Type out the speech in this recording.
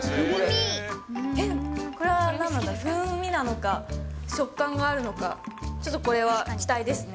えっ、これはなんだ、風味なのか、食感があるのか、ちょっとこれは期待ですね。